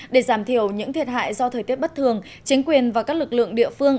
để giảm thiểu những thiệt hại do thời tiết bất thường chính quyền và các lực lượng địa phương